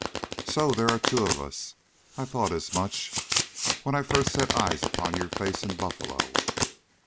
"SO there are two of us! I thought as much when I first set eyes upon your face in Buffalo!"